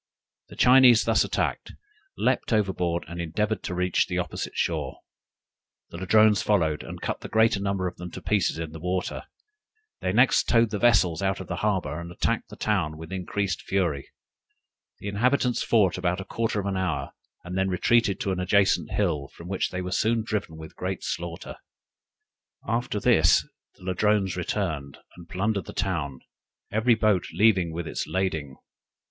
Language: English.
The Chinese thus attacked, leaped overboard, and endeavored to reach the opposite shore; the Ladrones followed, and cut the greater number of them to pieces in the water. They next towed the vessels out of the harbor, and attacked the town with increased fury. The inhabitants fought about a quarter of an hour, and then retreated to an adjacent hill, from which they were soon driven with great slaughter. After this the Ladrones returned, and plundered the town, every boat leaving it with lading.